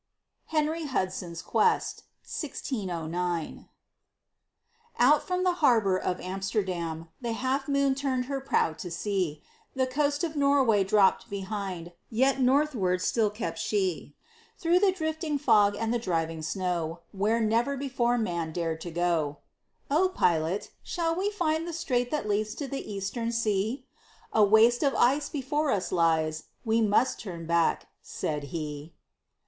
HENRY HUDSON'S QUEST Out from the harbor of Amsterdam The Half Moon turned her prow to sea; The coast of Norway dropped behind, Yet Northward still kept she Through the drifting fog and the driving snow, Where never before man dared to go: "O Pilot, shall we find the strait that leads to the Eastern Sea?" "A waste of ice before us lies we must turn back," said he.